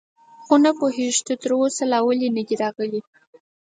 خو نه پوهېږم، چې تراوسه لا ولې نه دي راغلي.